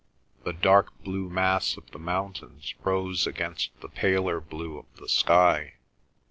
The dark blue mass of the mountains rose against the paler blue of the sky.